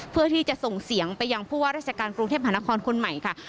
เพื่อที่จะส่งเสียงไปยังผู้ว่าราชการกรุงเทพหานครคนใหม่ค่ะ